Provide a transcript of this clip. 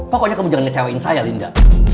pokoknya kamu jangan ngecewain saya linda